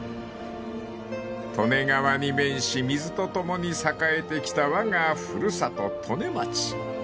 ［利根川に面し水とともに栄えてきたわが古里利根町］